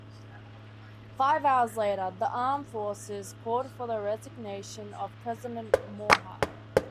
Five hours later, the armed forces called for the resignation of President Mahuad.